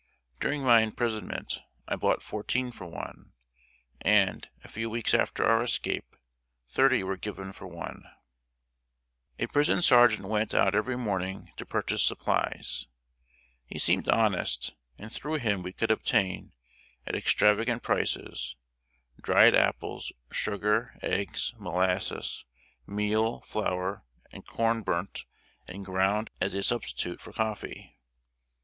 During my imprisonment, I bought fourteen for one, and, a few weeks after our escape, thirty were given for one. A prison sergeant went out every morning to purchase supplies. He seemed honest, and through him we could obtain, at extravagant prices, dried apples, sugar, eggs, molasses, meal, flour, and corn burnt and ground as a substitute for coffee.